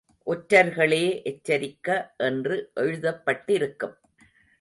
ஒற்றர்களே எச்சரிக்கை என்று எழுதப்பட்டிருக்கும்.